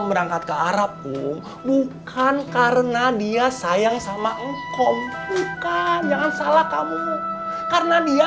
berangkat ke arabku bukan karena dia sayang sama engkau bukan jangan salah kamu karena dia